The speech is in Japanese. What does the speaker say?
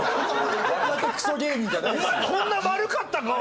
「お前こんな丸かったか？